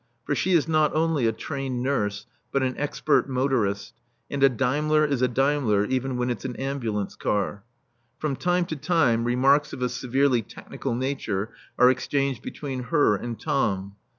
For she is not only a trained nurse but an expert motorist; and a Daimler is a Daimler even when it's an ambulance car. From time to time remarks of a severely technical nature are exchanged between her and Tom.